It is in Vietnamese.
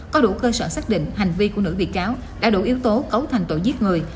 có đủ cơ sở xác định hành vi của nữ bị cáo đã đủ yếu tố cấu thành tội giết người